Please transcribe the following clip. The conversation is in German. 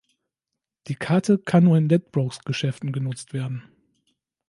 Die Karte kann nur in Ladbrokes-Geschäften genutzt werden.